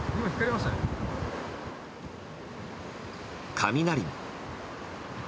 雷も。